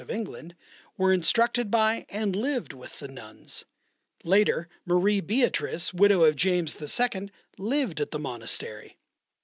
of England, were instructed by and lived with the nuns. Later, Marie Beatrice, widow of James II., lived at the monastery.